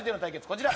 こちら！